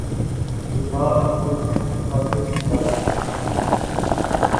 سزا اگر احتساب عدالت سے ہوتی ہے۔